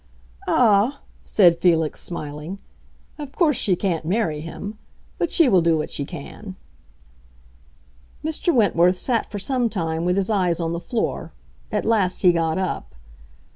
"Ah," said Felix, smiling, "of course she can't marry him. But she will do what she can." Mr. Wentworth sat for some time with his eyes on the floor; at last he got up.